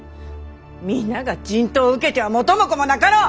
皆が人痘を受けては元も子もなかろう！